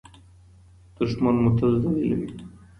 دښمن مو تل ذليله وي.